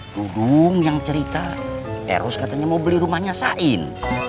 dudung yang cerita eros katanya mau beli rumahnya sain